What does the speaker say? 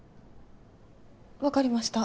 分かりました。